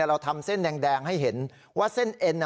เราทำเส้นแดงให้เห็นว่าเส้นเอ็น